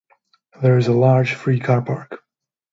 There is a large free car park.